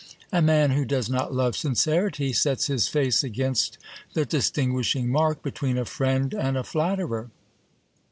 A man who does not love sincerity sets his face against the distinguishing mark between a friend and a flatterer.